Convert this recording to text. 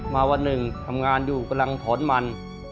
วันหนึ่งทำงานอยู่กำลังถอนมัน